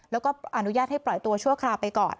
แล้วก็อนุญาตให้ปล่อยตัวชั่วคราวไปก่อน